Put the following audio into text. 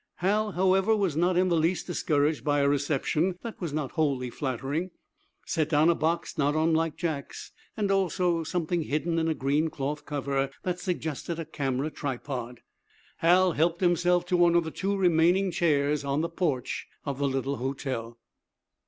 Hal, however, not in the least discouraged by a reception that was not wholly flattering, set down a box not unlike Jack's, and also something hidden in a green cloth cover that suggested a camera tripod. Hal helped himself to one of the two remaining chairs on the porch of the little hotel.